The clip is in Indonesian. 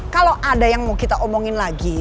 kalau ada yang mau kita omongin lagi